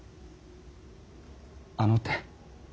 あの手？